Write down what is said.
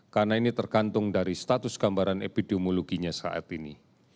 karena ini tergantung dari status gambaran epidemiologinya saat ini